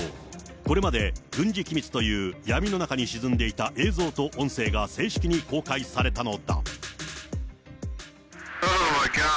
これまで軍事機密という闇の中に沈んでいた映像と音声が正式に公開されたのだ。